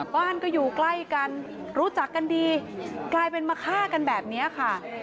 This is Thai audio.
บ้านก็อยู่ใกล้กันรู้จักกันดีกลายเป็นมาฆ่ากันแบบนี้ค่ะ